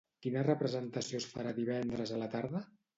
Quina representació es farà divendres a la tarda?